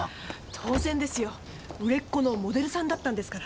当然ですよ売れっ子のモデルさんだったんですから。